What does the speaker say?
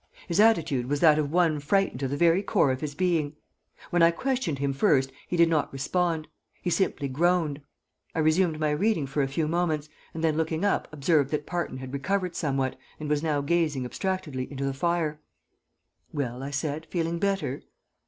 His attitude was that of one frightened to the very core of his being. When I questioned him first he did not respond. He simply groaned. I resumed my reading for a few moments, and then looking up observed that Parton had recovered somewhat and was now gazing abstractedly into the fire. "Well," I said, "feeling better?"